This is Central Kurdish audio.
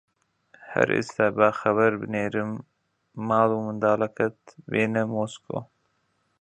هەر ئێستا با خەبەر بنێرم ماڵ و منداڵەکەت بێنە مۆسکۆ